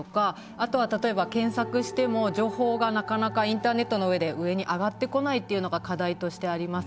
あとは例えば検索しても情報がなかなかインターネットの上に上がってこないっていうのが課題としてあります。